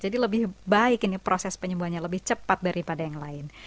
jadi lebih baik ini proses penyembuhannya lebih cepat daripada yang lain